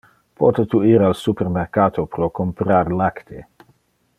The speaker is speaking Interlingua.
Pote tu ir al supermercato pro comprar lacte?